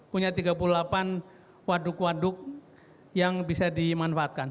punya tiga puluh delapan waduk waduk yang bisa dimanfaatkan